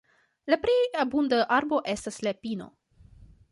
La plej abunda arbo estas la pino.